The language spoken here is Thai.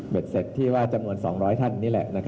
เวทเสร็จที่ว่าจะมี๒๐๐ท่าน